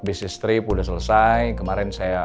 bisnis trip udah selesai kemarin saya